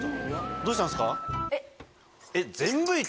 どうしたんですか？